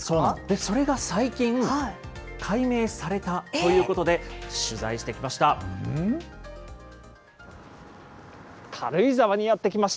それが最近、解明されたということで、取材してきました。